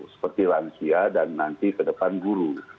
seperti lansia dan nanti ke depan guru